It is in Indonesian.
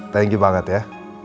thank you banget ya